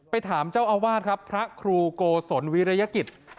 ถามเจ้าอาวาสครับพระครูโกศลวิรยกิจ